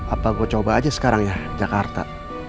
apa gue coba aja sekarang ya jakarta